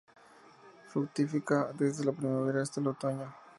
Fructifica desde la primavera hasta el otoño.